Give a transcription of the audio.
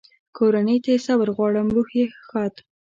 کورنۍ ته یې صبر غواړم، روح یې ښاد.